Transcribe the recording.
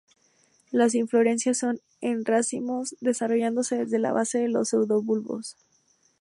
Las inflorescencias son en racimos desarrollándose desde la base de los pseudobulbos.